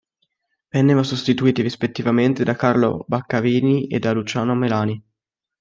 Vennero sostituiti rispettivamente da Carlo Baccarini e da Luciano Melani.